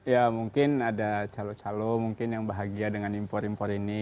ya mungkin ada calon calon mungkin yang bahagia dengan impor impor ini